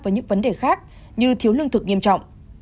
với những vấn đề khác như thiếu lương thực nghiêm trọng